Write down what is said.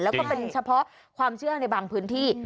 แล้วก็เป็นเฉพาะความเชื่อในบางพื้นที่